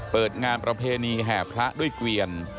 เปิดงานประเพณีแห่พระด้วยเกวียน